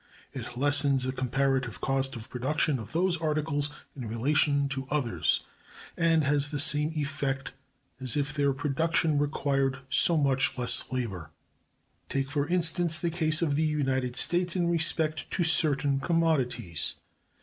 It lessens the comparative cost of production of those articles in relation to others, and has the same effect as if their production required so much less labor. Take, for instance, the case of the United States in respect to certain commodities.